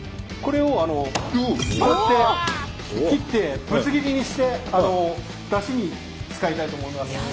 これをこうやって切ってぶつ切りにしてだしに使いたいと思います。